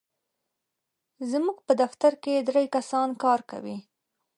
زموږ په دفتر کې درې کسان کار کوي.